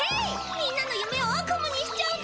みんなの夢を悪夢にしちゃうぞ！